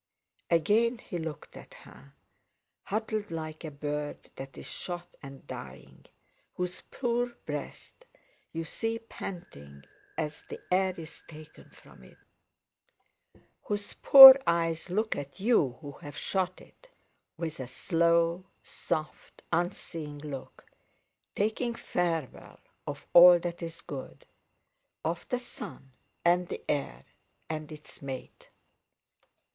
Again he looked at her, huddled like a bird that is shot and dying, whose poor breast you see panting as the air is taken from it, whose poor eyes look at you who have shot it, with a slow, soft, unseeing look, taking farewell of all that is good—of the sun, and the air, and its mate.